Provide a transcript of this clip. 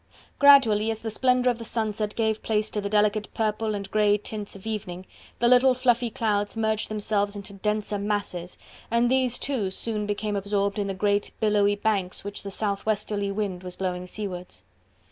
Gradually, as the splendour of the sunset gave place to the delicate purple and grey tints of evening, the little fluffy clouds merged themselves into denser masses, and these too soon became absorbed in the great, billowy banks which the southwesterly wind was blowing seawards.